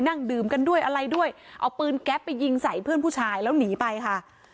นั่งดื่มกันด้วยอะไรด้วยเอาปืนแก๊ปไปยิงใส่เพื่อนผู้ชายแล้วหนีไปค่ะ